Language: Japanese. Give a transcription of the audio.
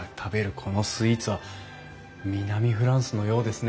このスイーツは南フランスのようですね！